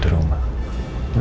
masa itu udah berakhir